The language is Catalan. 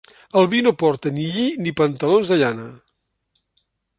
El vi no porta ni lli ni pantalons de llana